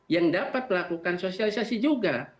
yang dapat melakukan sosialisasi juga